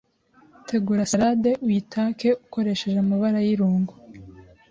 Tegura salade uyi take ukoresheje amabara y’irungo